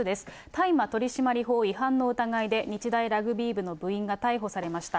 大麻取締法違反の疑いで、日大ラグビー部の部員が逮捕されました。